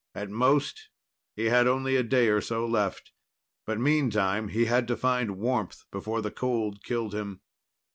At most, he had only a day or so left. But meantime, he had to find warmth before the cold killed him.